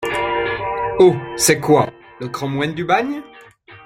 Oh ! c’est. .. quoi ?... le Cromwell du bagne !...